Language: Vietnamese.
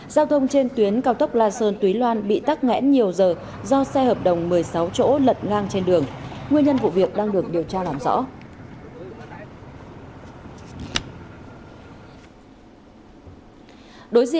giao thông trên tuyến cao tốc la sơn túy loan bị tắc nghẽn nhiều giờ do xe hợp đồng một mươi sáu chỗ lật ngang trên đường nguyên nhân vụ việc đang được điều tra làm rõ